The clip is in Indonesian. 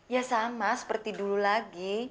ya sama seperti dulu lagi